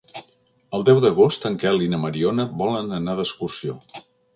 El deu d'agost en Quel i na Mariona volen anar d'excursió.